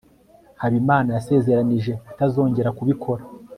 habimana yasezeranije kutazongera kubikora